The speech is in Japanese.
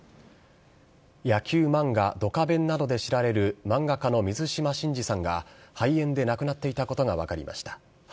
野球漫画、ドカベンなどで知られる、漫画家の水島新司さんが肺炎で亡くなっていたことが分かりました。